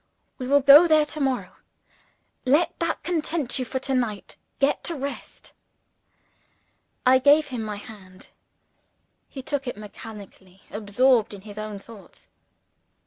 "We will go there to morrow. Let that content you for tonight. Get to rest." I gave him my hand. He took it mechanically absorbed in his own thoughts.